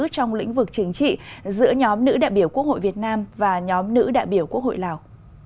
trong lĩnh vực chính trị giữa nhóm nữ đại biểu quốc hội việt nam và nhóm nữ đại biểu quốc hội lào